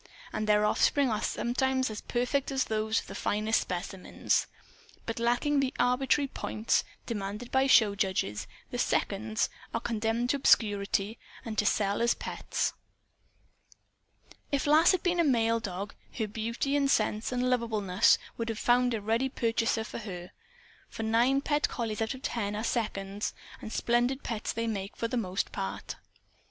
And their offspring are sometimes as perfect as are those of the finest specimens. But, lacking the arbitrary "points" demanded by show judges, the "seconds" are condemned to obscurity, and to sell as pets. If Lass had been a male dog, her beauty and sense and lovableness would have found a ready purchaser for her. For nine pet collies out of ten are "seconds"; and splendid pets they make for the most part.